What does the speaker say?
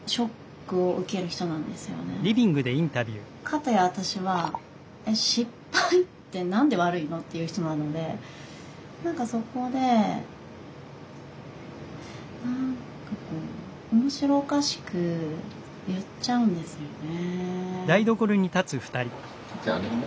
かたや私は「えっ失敗って何で悪いの？」っていう人なので何かそこで何かこう面白おかしく言っちゃうんですよね。